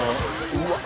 うわっ。